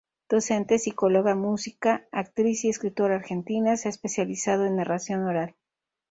Docente, psicóloga, música, actriz y escritora argentina, se ha especializado en narración oral.